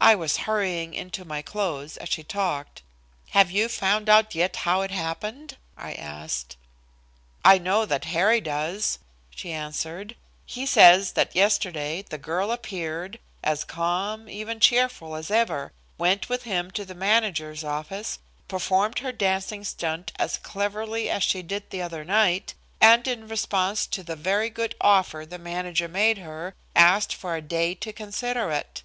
I was hurrying into my clothes as she talked. "Have you found out yet how it happened?" I asked. "I know what Harry does," she answered. "He says that yesterday the girl appeared as calm, even cheerful, as ever, went with him to the manager's office, performed her dancing stunt as cleverly as she did the other night, and in response to the very good offer the manager made her, asked for a day to consider it.